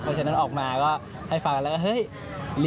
เพราะฉะนั้นออกมาก็ให้ฟังแล้ว